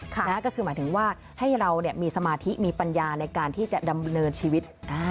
ก็คือหมายถึงว่าให้เรามีสมาธิมีปัญญาในการที่จะดำเนินชีวิต